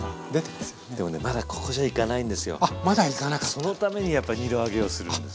そのためにやっぱり２度揚げをするんです。